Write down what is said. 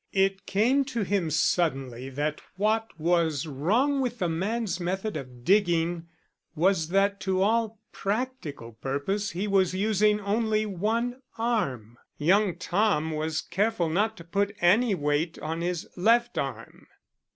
It came to him suddenly that what was wrong with the man's method of digging was that to all practical purpose he was using only one arm. Young Tom was careful not to put any weight on his left arm.